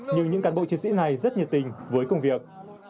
nhưng những cán bộ chiến sĩ này rất nhiệt tình với công việc